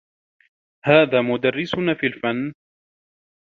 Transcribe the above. هذا مدرّسنا في الفن.